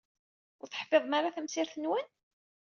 Ur teḥfiḍem ara tamsirt-nwen?